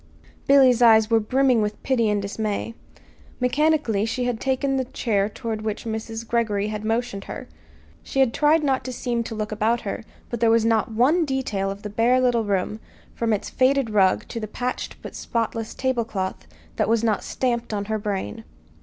Billy's eyes were brimming with pity and dismay. Mechanically she had taken the chair toward which Mrs. Greggory had motioned her. She had tried not to seem to look about her; but there was not one detail of the bare little room, from its faded rug to the patched but spotless tablecloth, that was not stamped on her brain.